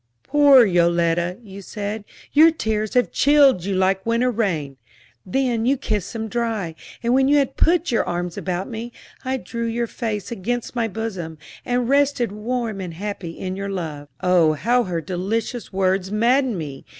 'Poor Yoletta,' you said, 'your tears have chilled you like winter rain.' Then you kissed them dry, and when you had put your arms about me, I drew your face against my bosom, and rested warm and happy in your love." Oh, how her delicious words maddened me!